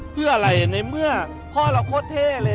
เพื่ออะไรในเมื่อพ่อเราโคตรเท่เลย